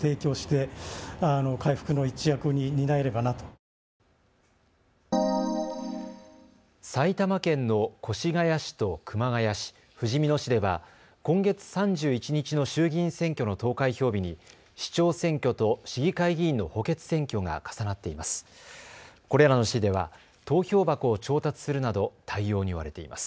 埼玉県の越谷市と熊谷市、ふじみ野市では今月３１日の衆議院選挙の投開票日に市長選挙と市議会議員の補欠選挙が重なっています。